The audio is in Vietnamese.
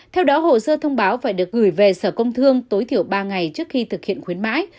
theo đó hồ sơ thông báo phải được gửi về sở công thương tối thiểu ba ngày trước khi thực hiện khuyến mãi